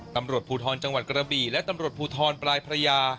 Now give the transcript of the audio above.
ตำรวจภูทรจังหวัดกระบี่และตำรวจภูทรปลายพระยา